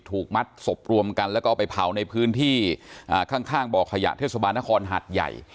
ถูกมัดศพรวมกันแล้วก็ไปเผาในพื้นที่ข้างบ่อขยะเทศบาลนครหัดใหญ่